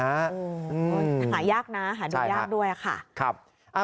หายากนะหาดูยากด้วยค่ะครับ